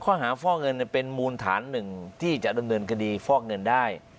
ข้อหาฟอกเงินเป็นมูลฐานหนึ่งที่จะดำเนินคดีฟอกเงินได้